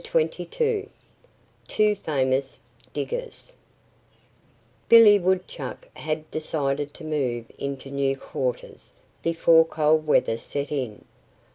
XXII TWO FAMOUS DIGGERS BILLY WOODCHUCK had decided to move into new quarters before cold weather set in.